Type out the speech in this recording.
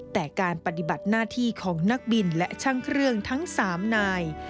แต่การปฏิบัติหน้าที่ของนักบินและช่างเครื่องทั้ง๓นาย